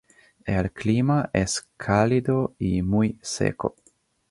El clima es cálido y muy seco.